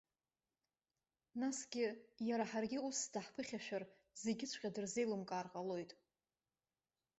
Насгьы, иара ҳаргьы ус даҳԥыхьашәар, зегьыҵәҟьа дырзеилымкаар ҟалоит.